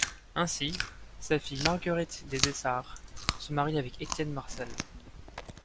Ainsi, sa fille Marguerite des Essarts, se marie avec Étienne Marcel.